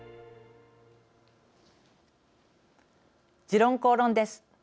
「時論公論」です。